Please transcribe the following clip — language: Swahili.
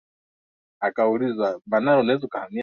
Hatashiriki hayo mashindano